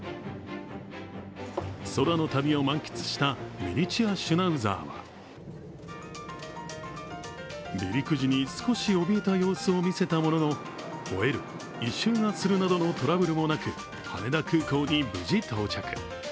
空の旅を満喫したミニチュア・シュナウザーは離陸時に少しおびえた様子を見せたもののほえる、異臭がするなどのトラブルもなく、羽田空港に無事到着。